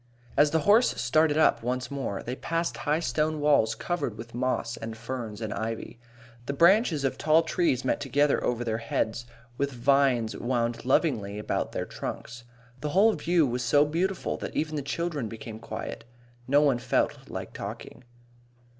As the horse started up once more, they passed high stone walls covered with moss and ferns and ivy. The branches of tall trees met together over their heads, with vines wound lovingly about their trunks. The whole view was so beautiful that even the children became quiet. No one felt like talking.